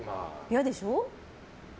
嫌でしょ？